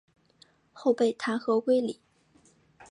后被弹劾归里。